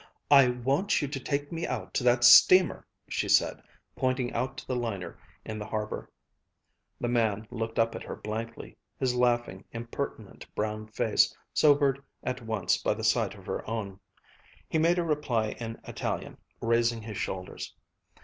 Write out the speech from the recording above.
"I want you to take me out to that steamer," she said, pointing out to the liner in the harbor. The man looked up at her blankly, his laughing, impertinent brown face sobered at once by the sight of her own. He made a reply in Italian, raising his shoulders.